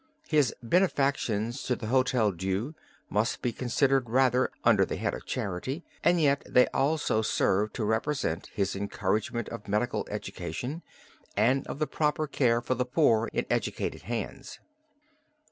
His benefactions to the Hotel Dieu must be considered rather under the head of charity, and yet they also serve to represent his encouragement of medical education and of the proper care for the poor in educated hands.